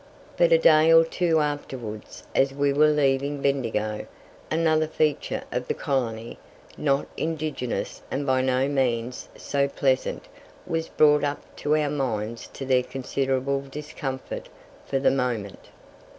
But a day or two afterwards, as we were leaving Bendigo, another feature of the colony, not indigenous and by no means so pleasant was brought up to our minds to their considerable discomfort for the moment.